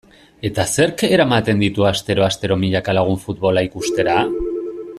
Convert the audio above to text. Eta zerk eramaten ditu astero-astero milaka lagun futbola ikustera?